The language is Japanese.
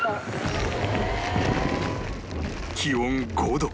気温５度